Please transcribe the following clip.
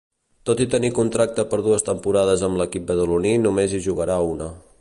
Tot i tenir contracte per dues temporades amb l'equip badaloní només hi jugarà una.